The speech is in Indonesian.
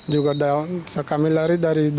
juga sekambil kambil saya lari dari myanmar